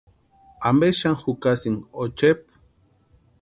¿Ampe xani jukasïnki ochepu?